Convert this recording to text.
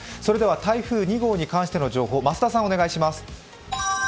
台風２号に関する情報、増田さん、お願いします。